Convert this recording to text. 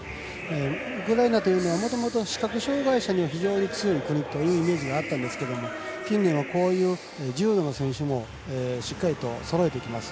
ウクライナというのはもともと視覚障がい者が非常に強い国というイメージがあったんですけど近年はこういう、重度の選手もしっかりそろえてきました。